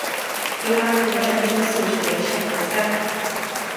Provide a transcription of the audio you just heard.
伊拉克的战争系数为三。